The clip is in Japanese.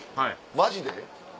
マジで？